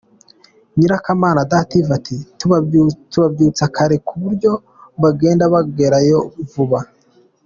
Nyirakamana Dative ati "Tubabyutsa kare ku buryo bagenda bakagerayo vuba.